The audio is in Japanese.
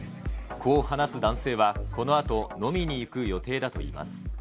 こう話す男性は、このあと飲みに行く予定だといいます。